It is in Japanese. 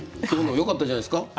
今日のはよかったじゃないですか。